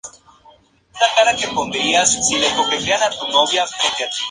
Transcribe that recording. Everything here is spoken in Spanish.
La superficie del planeta está expuesta a la radiación proveniente del Sol.